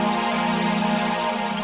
saya nggak mau roots kah